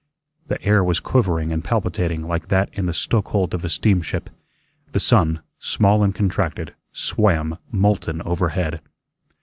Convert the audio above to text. The air was quivering and palpitating like that in the stoke hold of a steamship. The sun, small and contracted, swam molten overhead.